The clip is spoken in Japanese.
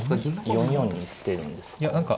４四に捨てるんですか。